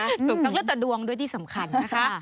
ถูกต้องแล้วแต่ดวงด้วยที่สำคัญนะคะ